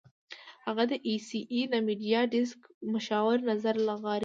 هغه د اى ايس اى د میډیا ډیسک مشاور نذیر لغاري وو.